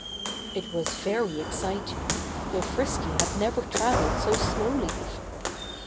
It was very exciting, though Frisky had never traveled so slowly before.